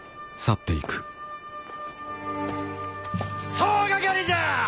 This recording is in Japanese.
総掛かりじゃあ！